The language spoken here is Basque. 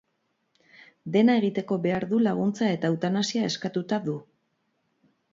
Dena egiteko behar du laguntza eta eutanasia eskatuta du.